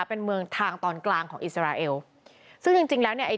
เป็นเมืองทางตอนกลางของอิสราเอลซึ่งจริงจริงแล้วเนี่ยไอ้